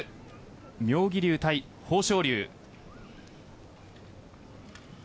妙義龍対豊昇龍。